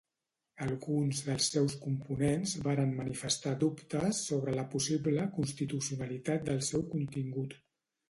Alguns dels seus components varen manifestar dubtes sobre la possible constitucionalitat del seu contingut.